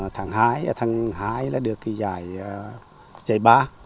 tháng hai là được cái giải ba